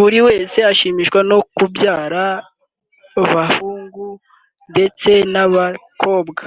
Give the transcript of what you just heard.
buri wese ashimishwa no kubyara bahungu ndetse n'abakobwa